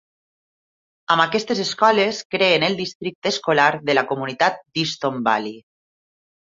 Amb aquestes escoles creen el districte escolar de la comunitat d'Easton Valley.